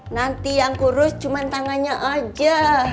nanti yang kurus cuma tangannya aja